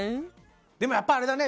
でもやっぱあれだね。